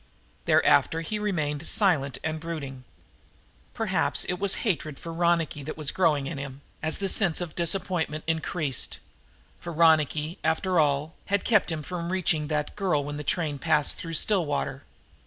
Thereafter he remained silent and brooding. Perhaps it was hatred for Ronicky that was growing in him, as the sense of disappointment increased, for Ronicky, after all, had kept him from reaching that girl when the train passed through Stillwater.